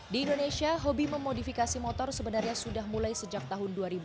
di indonesia hobi memodifikasi motor sebenarnya sudah mulai sejak tahun dua ribu